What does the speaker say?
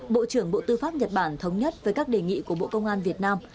bộ trưởng bộ tư pháp nhật bản thống nhất với các đề nghị của bộ công an việt nam